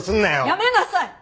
やめなさい！